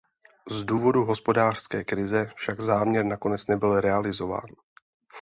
Z důvodu hospodářské krize však záměr nakonec nebyl realizován.